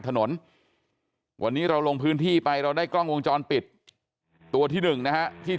ถนนวันนี้เราลงพื้นที่ไปเราได้กล้องวงจรปิดตัวที่หนึ่งนะฮะที่